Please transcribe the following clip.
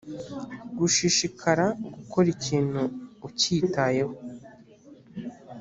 gushishikara gukora ikintu ukitayeho